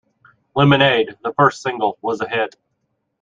"Lemonade", the first single, was a hit.